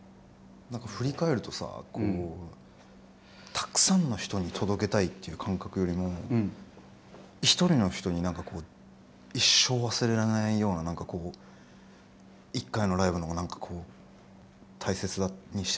振り返るとさこうたくさんの人に届けたいっていう感覚よりも１人の人になんかこう一生忘れられないような１回のライブのほうがなんかこう大切にしてた。